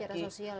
secara sosial ya